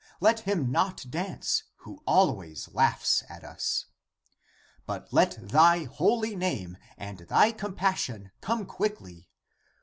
Let him not dance, who always laughs at us ! But let thy holy name and thy compassion come quickly!